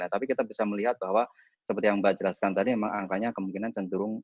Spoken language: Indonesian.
tapi kita bisa melihat bahwa seperti yang mbak jelaskan tadi memang angkanya kemungkinan cenderung